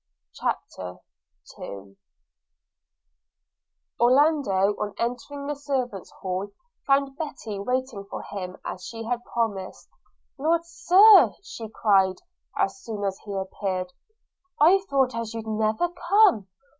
CHAPTER II ORLANDO, on his entering the servants' hall, found Betty waiting for him as she had promised. 'Lord, Sir,' cried she as soon as he appeared, 'I thoft as you'd never come!